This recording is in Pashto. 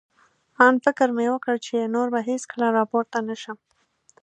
آن فکر مې وکړ، چې نور به هېڅکله را پورته نه شم.